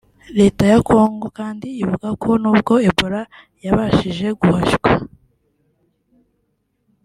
Leta ya Congo kandi ivuga ko n’ubwo Ebola yabashije guhashywa